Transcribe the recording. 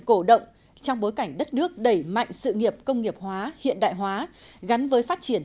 cổ động trong bối cảnh đất nước đẩy mạnh sự nghiệp công nghiệp hóa hiện đại hóa gắn với phát triển